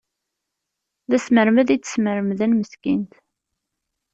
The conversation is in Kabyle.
D asmermed i tt-smermden meskint.